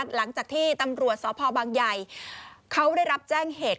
หลังจากที่ตำรวจสพบางใหญ่เขาได้รับแจ้งเหตุ